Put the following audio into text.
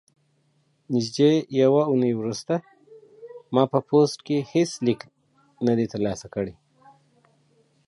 نږدې یوه اونۍ وروسته ما په پوسټ کې هیڅ لیک نه دی ترلاسه کړی.